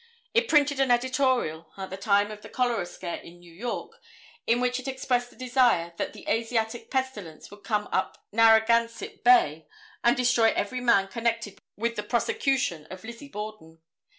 It printed an editorial, at the time of the cholera scare in New York, in which it expressed a desire that the Asiatic pestilence would come up Narragansett Bay and destroy every man connected with the prosecution of Lizzie Borden.